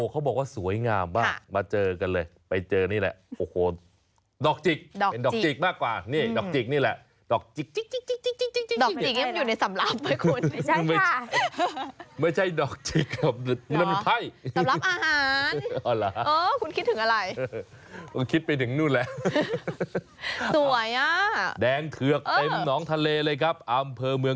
เออขออีกเรื่องได้ไหม